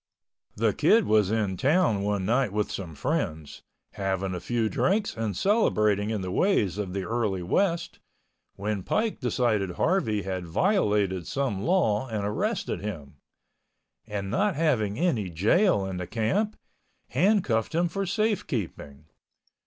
The Kid was in town one night with some friends, having a few drinks and celebrating in the ways of the early West, when Pike decided Harvey had violated some law and arrested him, and not having any jail in the camp, handcuffed him for safekeeping.